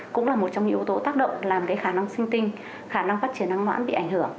cũng là một trong những yếu tố tác động làm khả năng sinh tinh khả năng phát triển năng ngoãn bị ảnh hưởng